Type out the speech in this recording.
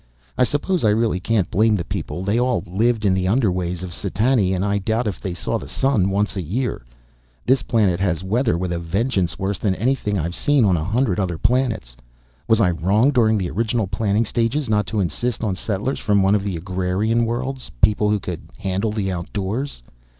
I suppose I really can't blame the people, they all lived in the underways of Setani and I doubt if they saw the sun once a year. This planet has weather with a vengeance, worse than anything I've seen on a hundred other planets. Was I wrong during the original planning stages not to insist on settlers from one of the agrarian worlds? People who could handle the outdoors.